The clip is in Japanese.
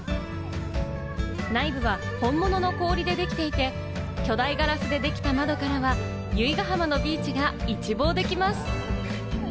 内部は本物の氷でできていて、巨大ガラスでできた窓からは由比ガ浜のビーチが一望できます！